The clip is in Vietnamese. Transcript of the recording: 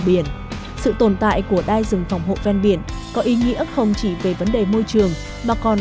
biển sự tồn tại của đai rừng phòng hộ ven biển có ý nghĩa không chỉ về vấn đề môi trường mà còn